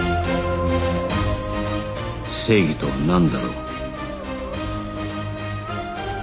正義とはなんだろう